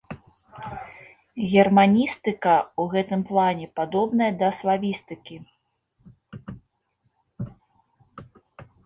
Германістыка ў гэтым плане падобная да славістыкі.